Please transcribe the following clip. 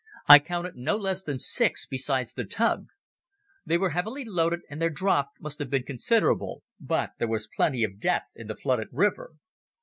I counted no less than six besides the tug. They were heavily loaded and their draught must have been considerable, but there was plenty of depth in the flooded river.